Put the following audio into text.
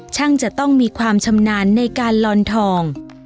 จะต้องมีความชำนาญในการลอนทอง